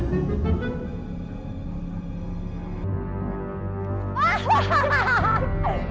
ini dia teman rupi